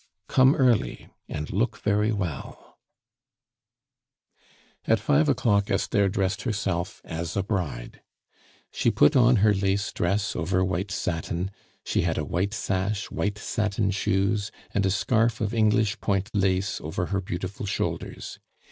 "Come early, and look very well " At five o'clock Esther dressed herself as a bride. She put on her lace dress over white satin, she had a white sash, white satin shoes, and a scarf of English point lace over her beautiful shoulders.